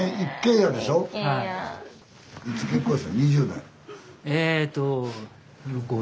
２０代？